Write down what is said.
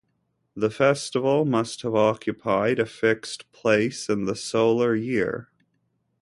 The festival must have occupied a fixed place in the solar year.